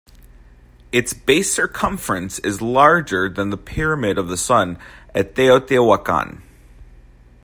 Its base circumference is larger than the Pyramid of the Sun at Teotihuacan.